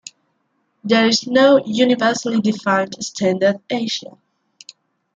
There is no universally defined standard Asia.